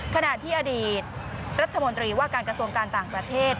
ขณะที่อดีตรัฐมนตรีว่าการกระทรวงการต่างประเทศ